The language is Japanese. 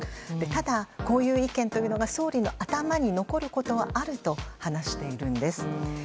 ただ、こういう意見というのが総理の頭に残ることはあると話しているんです。